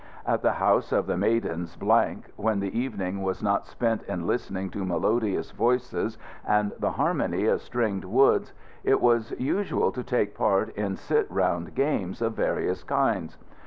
At the house of the Maidens Blank, when the evening was not spent in listening to melodious voices and the harmony of stringed woods, it was usual to take part in sit round games of various kinds.